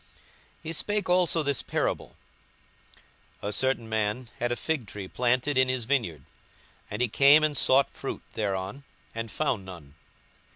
42:013:006 He spake also this parable; A certain man had a fig tree planted in his vineyard; and he came and sought fruit thereon, and found none.